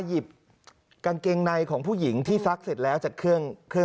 หยิบกางเกงในของผู้หญิงที่ซักเสร็จแล้วจากเครื่องเครื่อง